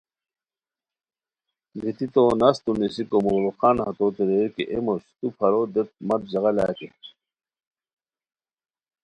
گیتی تو نستو نیسیکو مغل خان ہتوتے ریر کی اے موش تو پھارو دیت مت ژاغہ لاکے